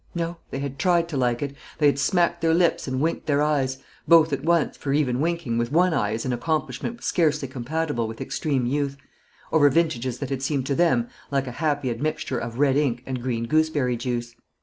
_ No; they had tried to like it; they had smacked their lips and winked their eyes both at once, for even winking with one eye is an accomplishment scarcely compatible with extreme youth over vintages that had seemed to them like a happy admixture of red ink and green gooseberry juice.